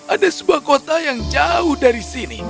ada sebuah kota yang jauh dari sini